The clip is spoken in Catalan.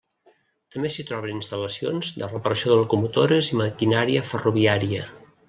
També s'hi troben instal·lacions de reparació de locomotores i maquinària ferroviària.